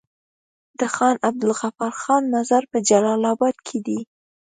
د خان عبدالغفار خان مزار په جلال اباد کی دی